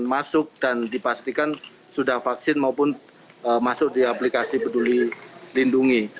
masuk dan dipastikan sudah vaksin maupun masuk di aplikasi peduli lindungi